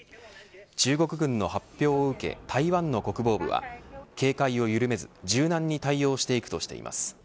中国軍の発表を受け台湾の国防部は警戒をゆるめず柔軟に対応していくとしています。